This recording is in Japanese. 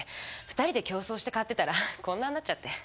２人で競争して買ってたらこんなんなっちゃって。